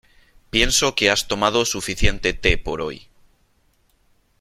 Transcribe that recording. Pienso que has tomado suficiente té por hoy .